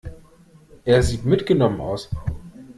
Er sieht mitgenommen aus.